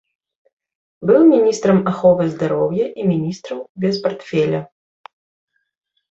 Быў міністрам аховы здароўя і міністрам без партфеля.